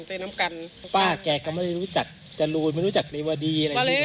ป้าแกก็ไม่รู้จักจรูไม่รู้จักรีวดีอะไรอย่างนี้